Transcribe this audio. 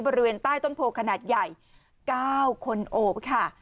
บริเวณใต้ต้นโพขนาดใหญ่๙คนโอบค่ะ